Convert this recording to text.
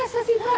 masa sih pak